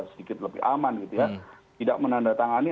sedikit lebih aman tidak menandatangani